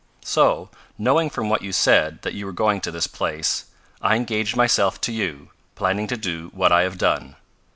"So, knowing from what you said that you were going to this place, I engaged myself to you, planning to do what I have done.